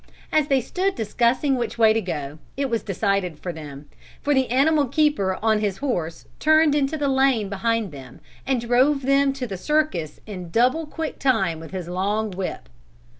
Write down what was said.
As they stood discussing which way to go, it was decided for them, for the animal keeper on his horse turned into the lane behind them and drove them to the circus in double quick time with his long whip.